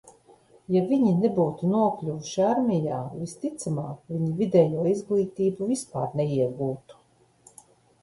Ja viņi nebūtu nokļuvuši armijā, visticamāk, viņi vidējo izglītību vispār neiegūtu.